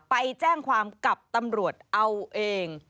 ไปแจ้งความกับตำรวจเอาเอง